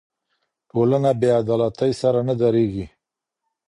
ټولنه بې عدالتۍ سره نه درېږي.